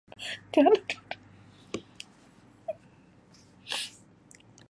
Telem hhhhh